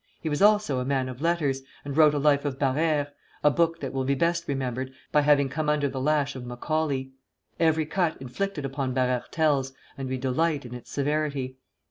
He was also a man of letters, and wrote a Life of Barère, a book that will be best remembered by having come under the lash of Macaulay. Every cut inflicted upon Barère tells, and we delight in its severity.